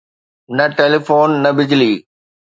نه ٽيليفون، نه بجلي.